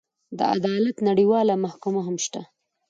د عدالت نړیواله محکمه هم شته.